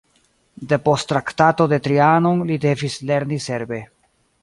Depost Traktato de Trianon li devis lerni serbe.